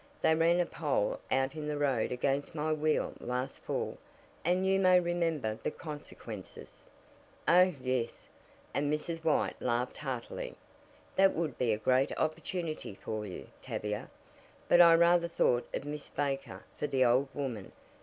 They ran a pole out in the road against my wheel last fall, and you may remember the consequences." "Oh, yes," and Mrs. White laughed heartily, "that would be a great opportunity for you, Tavia. But I rather thought of Miss Baker for the 'old woman.'